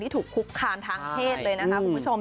ถูกคุกคามทางเพศเลยนะคะคุณผู้ชม